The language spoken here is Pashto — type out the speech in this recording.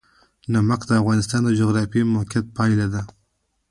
نمک د افغانستان د جغرافیایي موقیعت پایله ده.